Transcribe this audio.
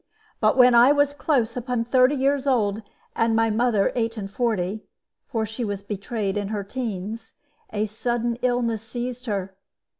But when I was close upon thirty years old, and my mother eight and forty for she was betrayed in her teens a sudden illness seized her.